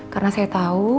karena saya tahu